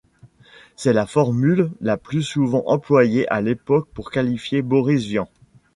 C'est la formule la plus souvent employée à l'époque pour qualifier Boris Vian.